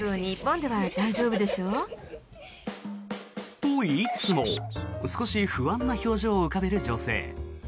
といいつつも少し不安な表情を浮かべる女性。